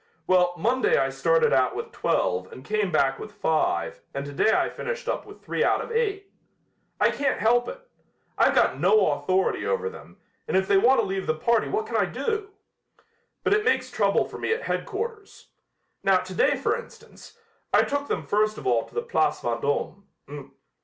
Well, Monday I started out with twelve and came back with five and today I finished up with three out of eight. I can't help it. I've got no authority over them, and if they want to leave the party, what can I do? But it makes trouble for me at headquarters. Now, today, for instance, I took them first of all to the Place Vendome.